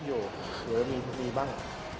มันเงียบอยู่หรือมีบ้าง